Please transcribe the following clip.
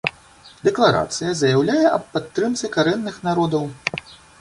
Дэкларацыя заяўляе аб падтрымцы карэнных народаў.